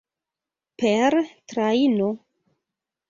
Per trajno?